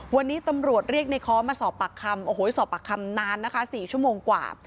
วันนี้ตำรวจเรียกในค้อมาสอบปากคำโอ้โหสอบปากคำนานนะคะ๔ชั่วโมงกว่า